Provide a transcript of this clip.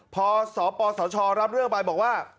พอสปสชรับเรื่องไปบอกว่า